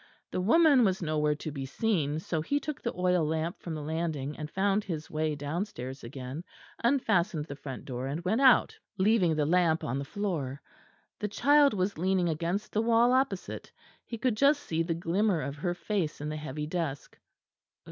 The woman was nowhere to be seen; so he took the oil lamp from the landing, and found his way downstairs again, unfastened the front door, and went out, leaving the lamp on the floor. The child was leaning against the wall opposite; he could just see the glimmer of her face in the heavy dusk.